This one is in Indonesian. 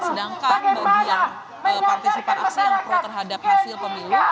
sedangkan bagian partisipan aksi yang pro terhadap hasil pemilu